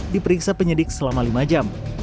diperiksa penyidik selama lima jam